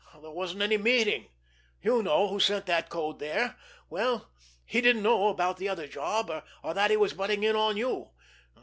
There wasn't any meeting. You know who sent that code there; well, he didn't know about the other job, or that he was butting in on you.